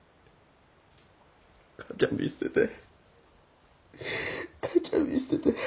母ちゃん見捨てて。